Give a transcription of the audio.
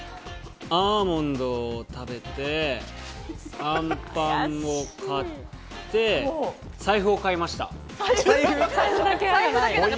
アーモンドを食べて、あんパンを買って、財布を買いました。